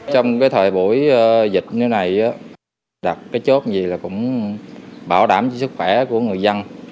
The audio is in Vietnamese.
trong thời buổi dịch như thế này đặt cái chốt gì là cũng bảo đảm cho sức khỏe của người dân